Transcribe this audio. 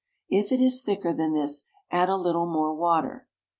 If it is thicker than this, add a little more water.